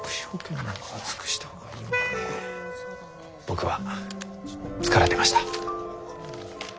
僕は疲れてました。